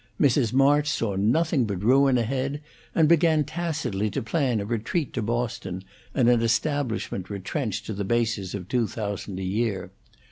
Mrs. March saw nothing but ruin ahead, and began tacitly to plan a retreat to Boston, and an establishment retrenched to the basis of two thousand a year.